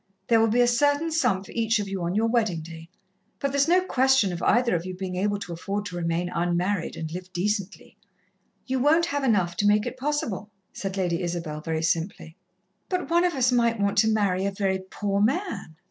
There will be a certain sum for each of you on your wedding day, but there's no question of either of you being able to afford to remain unmarried, and live decently. You won't have enough to make it possible," said Lady Isabel very simply. "But one of us might want to marry a very poor man."